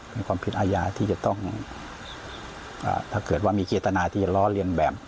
เป็นความผิดอาญาที่จะต้องถ้าเกิดว่ามีเจตนาที่จะล้อเลียนแบบ